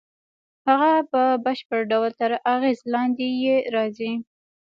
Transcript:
هغه په بشپړ ډول تر اغېز لاندې یې راځي